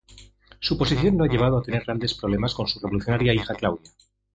Su posición lo ha llevado a tener grandes problemas con su revolucionaria hija Claudia.